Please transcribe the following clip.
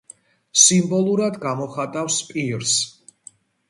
სიმბოლურად გამოხატავს პირს.